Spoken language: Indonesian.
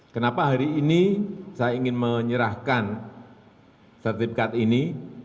kenapa hari ini saya ingin menyerahkan sertifikat ini